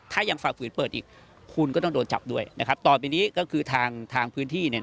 ถ้ายังฝ่าฝืนเปิดอีกคุณก็ต้องโดนจับด้วยต่อไปนี้ก็คือทางพื้นที่